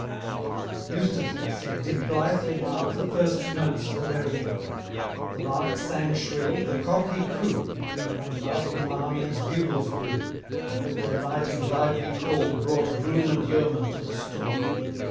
Eustace, I said, did blithely mark The first notes of the merry lark. The lark sang shrill, the cock he crew, And loudly Marmion's bugles blew, And with their light and lively call, 5 Brought groom and yeoman to the stall.